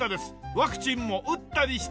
ワクチンも打ったりして。